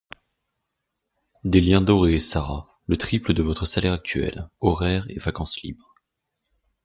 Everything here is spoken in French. Des liens dorés Sara. Le triple de votre salaire actuel, horaires et vacances libres